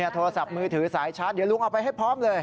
โทรศัพท์มือถือสายชาร์จเดี๋ยวลุงเอาไปให้พร้อมเลย